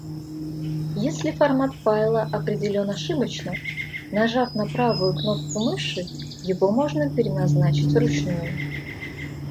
Если формат файла определён ошибочно, нажав на правую кнопку мыши его можно переназначить вручную.